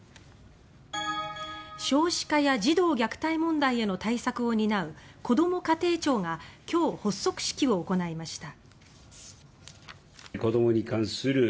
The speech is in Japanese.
少子化や児童虐待問題への対策を担うこども家庭庁が今日発足式を行いました。